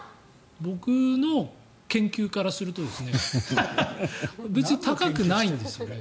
僕の研究からすると別に高くないんですよね